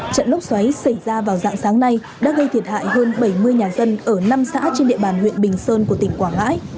trận lốc xoáy xảy ra vào dạng sáng nay đã gây thiệt hại hơn bảy mươi nhà dân ở năm xã trên địa bàn huyện bình sơn của tỉnh quảng ngãi